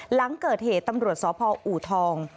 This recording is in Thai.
หลังเกิดเหตุตำรวจสพอูทอง